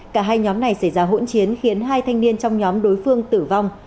cả hai nhóm này xảy ra hỗn chiến khiến hai thanh niên trong nhóm đối phương tử vong